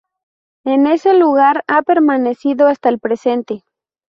En ese lugar ha permanecido hasta el presente.